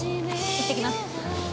行ってきます。